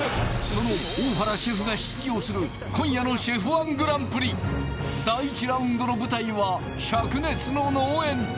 その大原シェフが出場する今夜のＣＨ第１ラウンドの舞台はしゃく熱の農園